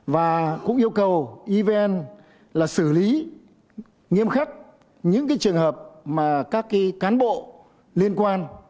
và cũng yêu cầu evn là xử lý nghiêm khắc những trường hợp mà các cán bộ liên quan